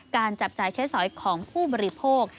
จับจ่ายใช้สอยของผู้บริโภค